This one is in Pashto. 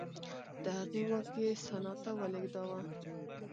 د هغې واک یې سنا ته ولېږداوه